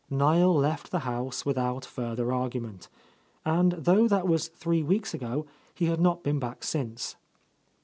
Niel left the house without further argument, and though that was three weeks ago, he had not been back since.